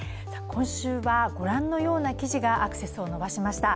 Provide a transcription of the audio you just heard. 今週は、ご覧のような記事がアクセスを伸ばしました。